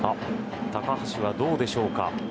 高橋はどうでしょうか。